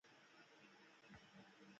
موږ باید وسایل جوړ کړي وای چې ژوند آسانه شي